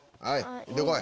行ってこい。